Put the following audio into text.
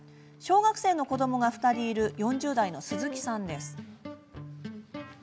小学生の子どもが２人いる４０代の鈴木さんです。